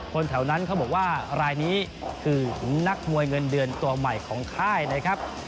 คนแถวนั้นเขาบอกว่ารายนี้คือนักมวยเงินเดือนตัวใหม่ของค่ายนะครับ